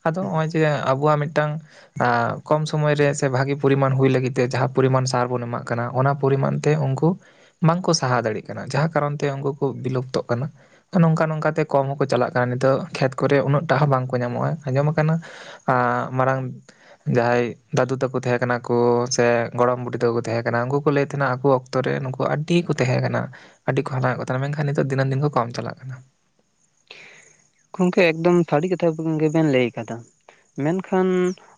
ᱟᱫᱚ ᱱᱚᱼᱚᱭ ᱡᱮ ᱟᱵᱚᱣᱟᱜ ᱢᱤᱫᱴᱟᱝ ᱠᱚᱢ ᱥᱚᱢᱚᱭ ᱨᱮ ᱥᱮ ᱵᱷᱟᱜᱤ ᱯᱚᱨᱤᱢᱟᱱ ᱦᱩᱭ ᱞᱟᱹᱜᱤᱫ ᱛᱮ, ᱡᱟᱦᱟᱸ ᱯᱚᱨᱤᱢᱟᱱ ᱥᱟᱨ ᱵᱚᱱ ᱮᱢᱟᱜ ᱠᱟᱱᱟ ᱚᱱᱟ ᱯᱚᱨᱤᱢᱟᱱ ᱛᱮ ᱩᱱᱠᱩ ᱵᱟᱝᱠᱚ ᱥᱟᱦᱟ ᱫᱟᱲᱮᱭᱟᱜ ᱠᱟᱱᱟ ᱡᱟᱦᱟᱸ ᱠᱟᱨᱚᱱ ᱛᱮ ᱩᱱᱠᱩ ᱠᱚ ᱵᱤᱞᱩᱯᱛᱚᱜ ᱠᱟᱱᱟ ᱾ ᱱᱚᱝᱠᱟ ᱱᱚᱝᱠᱟᱛᱮ ᱠᱚᱢ ᱦᱚᱸᱠᱚ ᱪᱟᱞᱟᱜ ᱠᱟᱱᱟ ᱾ ᱱᱤᱛᱚᱜ ᱠᱷᱮᱛ ᱠᱚᱨᱮ ᱩᱱᱟᱹᱜ ᱴᱟᱜ ᱦᱚᱸ ᱵᱟᱝᱠᱚ ᱧᱟᱢᱚᱜ-ᱟ ᱾ ᱟᱸᱡᱚᱢ ᱟᱠᱟᱱᱟ ᱟᱻ ᱢᱟᱨᱟᱝ ᱡᱟᱦᱟᱸᱭ ᱫᱟᱹᱫᱩ ᱛᱟᱠᱚ ᱠᱚ ᱛᱟᱦᱮᱸ ᱠᱟᱱᱟ ᱠᱚ ᱥᱮ ᱜᱚᱲᱚᱢ ᱵᱩᱰᱷᱤ ᱛᱟᱦᱮ ᱠᱟᱱᱟ ᱠᱚ ᱥᱮ ᱜᱚᱲᱚᱢ ᱵᱩᱫᱷᱤ ᱠᱚ ᱛᱟᱦᱮᱸ ᱠᱟᱱᱟ, ᱩᱱᱠᱩ ᱠᱚ ᱞᱟᱹᱭᱮᱫ ᱛᱟᱦᱮᱱᱟ ᱟᱠᱚ ᱚᱠᱛᱚ ᱨᱮ ᱱᱩᱠᱩ ᱟᱹᱰᱤ ᱠᱚ ᱛᱟᱦᱮᱸ ᱠᱟᱱᱟ ᱾ ᱟᱹᱰᱤ ᱠᱚ ᱦᱟᱞᱟᱝᱚᱜ ᱠᱚ ᱛᱟᱦᱮ ᱠᱟᱱᱟ ᱢᱮᱱᱠᱷᱟᱱ ᱱᱤᱛᱚᱜ ᱫᱤᱱᱟᱹᱢ ᱫᱤᱱ ᱠᱚᱢ ᱪᱟᱞᱟᱜ ᱠᱟᱱᱟ ᱾ ᱜᱚᱝᱠᱮ ᱮᱠᱫᱚᱢ ᱥᱟᱹᱨᱤ ᱠᱟᱛᱷᱟ ᱜᱮᱵᱮᱱ ᱞᱟᱹᱭ ᱟᱠᱟᱫᱟ ᱾ ᱢᱮᱱᱠᱷᱟᱱ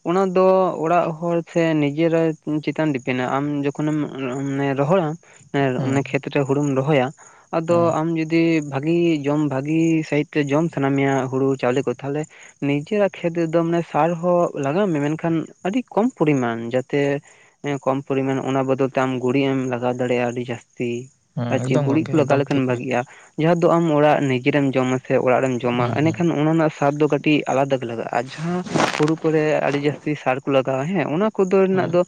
ᱚᱱᱟ ᱫᱚ ᱚᱲᱟᱜ ᱦᱚᱲ ᱥᱮ ᱱᱤᱡᱮᱨᱟᱜ ᱪᱮᱛᱟᱱ ᱰᱤᱯᱮᱱᱟ ᱟᱢ ᱡᱚᱠᱷᱚᱱᱮᱢ ᱦᱩᱸ ᱟᱱᱮ [unintelligible] ᱠᱷᱮᱛ ᱨᱮ ᱦᱩᱲᱩᱢ ᱨᱚᱦᱚᱭᱟ ᱟᱫᱚ ᱦᱩᱸ ᱟᱢ ᱡᱩᱫᱤ ᱵᱷᱟᱜᱤ ᱡᱚᱢ ᱵᱷᱟᱜᱤ ᱥᱟᱦᱤᱛᱮ ᱡᱚᱢ ᱥᱟᱱᱟᱢᱭᱟ ᱦᱩᱲᱩ ᱪᱟᱣᱞᱮ ᱠᱚ ᱛᱟᱦᱚᱞᱮ ᱱᱤᱡᱮᱨᱟᱜ ᱠᱷᱮᱛ ᱨᱮᱫᱚ ᱢᱟᱱᱮ ᱥᱟᱨ ᱦᱚᱸ ᱞᱟᱜᱟᱣ ᱢᱮ ᱢᱮᱱᱠᱷᱟᱱ ᱟᱹᱰᱤ ᱠᱚᱢ ᱯᱚᱨᱤᱢᱟᱱ ᱡᱟᱛᱮ ᱦᱮᱸ ᱠᱚᱢ ᱯᱚᱨᱤᱢᱟᱱ ᱚᱱᱟ ᱵᱚᱫᱚᱞ ᱛᱮ ᱟᱢ ᱜᱩᱩᱨᱤᱡ ᱮᱢ ᱞᱟᱜᱟᱣ ᱫᱟᱲᱮᱭᱟᱜ-ᱟ ᱟᱹᱰᱤ ᱡᱟᱹᱟᱥᱛᱤ ᱦᱩᱸ ᱦᱩᱸ ᱟᱨ ᱪᱮᱫ ᱮᱠᱫᱚᱢ ᱜᱩᱨᱤᱡ ᱜᱚᱝᱠᱮ ᱠᱚ ᱞᱟᱜᱟᱣ ᱮᱠᱫᱚᱢ ᱞᱮᱠᱷᱟᱱ ᱴᱷᱤᱠ ᱵᱮᱱ ᱞᱟᱹᱭ ᱵᱷᱟᱜᱤᱜ-ᱟ᱾ ᱠᱮᱫᱟ᱾ ᱡᱟᱦᱟᱸ ᱫᱚ ᱟᱢ ᱚᱲᱟᱜ ᱱᱤᱡᱮᱢ ᱡᱚᱢᱟ ᱥᱮ ᱚᱲᱟᱜ ᱨᱮᱢ ᱡᱚᱢᱟ ᱦᱩᱸ ᱦᱩᱸ ᱮᱱᱮᱠᱷᱟᱱ ᱚᱱᱟ ᱨᱮᱱᱟᱜ ᱥᱟᱫ ᱫᱚ ᱠᱟᱹᱴᱤᱡ ᱟᱞᱟᱫᱟ ᱞᱟᱜᱟᱜ-ᱟ᱾ ᱟᱨ ᱡᱟᱦᱟᱸ ᱦᱩᱲᱩ ᱠᱚᱨᱮ ᱟᱹᱰᱤ ᱡᱟᱹᱟᱥᱛᱤ ᱥᱟᱨ ᱠᱚ ᱞᱟᱜᱟᱣᱟ ᱦᱮᱸ ᱚᱱᱟ ᱠᱚᱫᱚ ᱨᱮᱱᱟᱜ ᱦᱩᱸ ᱫᱚ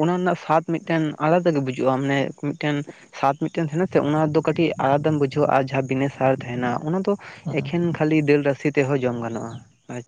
ᱚᱱᱟ ᱨᱮᱱᱟᱜ ᱥᱟᱫ ᱢᱤᱫᱴᱮᱱ ᱟᱞᱟᱫᱟ ᱜᱮ ᱵᱩᱡᱩᱜ-ᱟ ᱢᱟᱱᱮ ᱢᱤᱫᱴᱮᱱ ᱥᱟᱛ ᱢᱤᱫᱴᱮᱱ ᱛᱟᱦᱮᱱᱟ ᱥᱮ ᱚᱱᱟ ᱫᱚ ᱠᱟᱹᱴᱤᱡ ᱟᱞᱟᱫᱢ ᱵᱩᱡᱷᱟᱹᱣᱟ-ᱟ ᱟᱨ ᱡᱟᱦᱟᱸ ᱵᱤᱱᱟᱹ ᱥᱟᱨ ᱛᱟᱦᱮᱱᱟ ᱚᱱᱟ ᱫᱚ᱾ ᱦᱩᱸ ᱮᱠᱷᱮᱱ ᱠᱷᱟᱹᱞᱤ ᱫᱟᱹᱞ ᱨᱟᱥᱮ ᱛᱮᱦᱚᱸ ᱡᱚᱢ ᱜᱟᱱᱚᱜ-ᱟ᱾